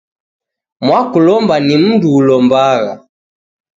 Mwakulomba ni mndu ulombagha.